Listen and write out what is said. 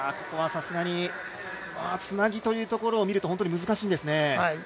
ここは、さすがにつなぎというところを見ると本当に難しいんですね。